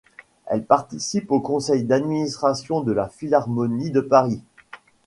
Elle participe au Conseil d’administration de la Philharmonie de Paris.